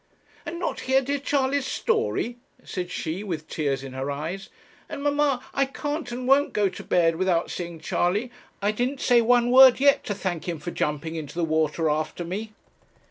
'And not hear dear Charley's story?' said she, with tears in her eyes. 'And, mamma, I can't and won't go to bed without seeing Charley. I didn't say one word yet to thank him for jumping into the water after me.'